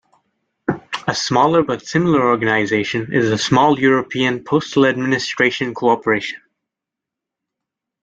A smaller but similar organization is the Small European Postal Administration Cooperation.